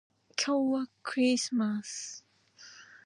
今日はクリスマス